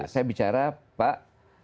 saya bicara pak